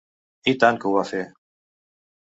I tant que ho va fer.